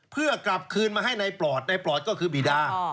เพื่อกลับคืนมาให้ในปลอดในปลอดก็คือบีดา